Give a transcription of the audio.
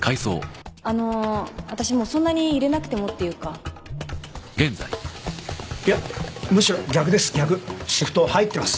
あの私もうそんなに入れなくいやむしろ逆です逆シフト入ってます